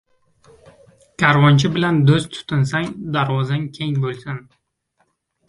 • Karvonchi bilan do‘st tutinsang darvozang keng bo‘lsin.